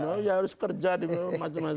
ya harus kerja di rumah